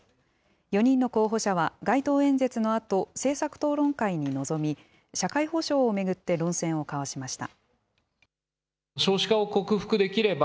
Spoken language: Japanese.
４人の候補者は街頭演説のあと、政策討論会に臨み、社会保障を巡って論戦を交わしました。